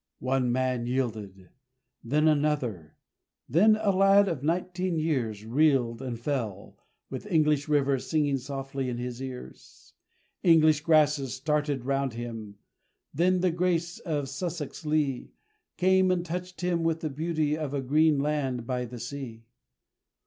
..... One man yielded then another then a lad of nineteen years Reeled and fell, with English rivers singing softly in his ears, English grasses started round him then the grace of Sussex lea Came and touched him with the beauty of a green land by the sea!